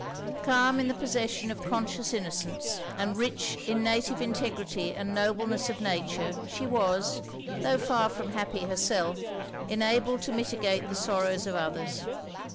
Calm in the possession of conscious innocence, and rich in native integrity and nobleness of nature, she was, tho' far from happy herself, enabled to mitigate the sorrows of others.